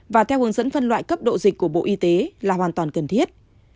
và theo hướng dẫn phân loại cấp độ dịch của bộ y tế là hoàn toàn cần thiết